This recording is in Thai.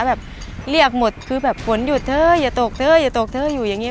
แบบเรียกหมดคือแบบฝนหยุดเถอะอย่าตกเธออย่าตกเธออยู่อย่างนี้